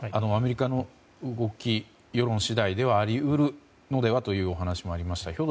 アメリカの動き、世論次第ではあり得るのではというお話もありました。